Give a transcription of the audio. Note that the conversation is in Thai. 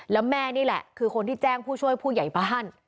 แล้วแม่นี่แหละคือคนที่แจ้งผู้ช่วยผู้ใหญ่บ้าน